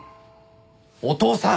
お父さん！